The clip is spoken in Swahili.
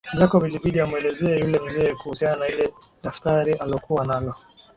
Jacob ilibidi amuelezee yule mzee kuhusiana na lile daftari alokua nalo